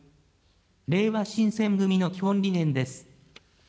れいわ新選組の基本理念です。